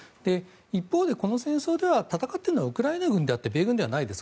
一方でこの戦争で戦っているのはウクライナ軍であって米軍ではないので。